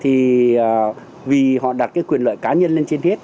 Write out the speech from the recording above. thì vì họ đặt cái quyền lợi cá nhân lên trên hết